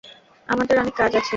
আমাদের অনেক কাজ আছে।